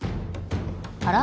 あら？